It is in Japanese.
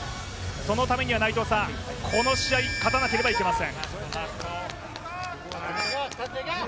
そのためにはこの試合、勝たなければいけません。